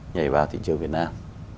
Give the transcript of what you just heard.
nhảy vào thị trường việt nam